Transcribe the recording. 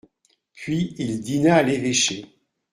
Puis il dîna à l'évêché.